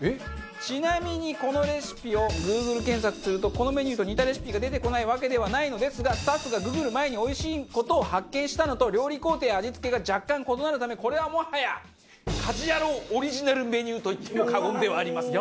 ちなみにこのレシピをＧｏｏｇｌｅ検索するとこのメニューと似たレシピが出てこないわけではないのですがスタッフがググる前においしい事を発見したのと料理工程や味付けが若干異なるためこれはもはや『家事ヤロウ！！！』オリジナルメニューと言っても過言ではありません。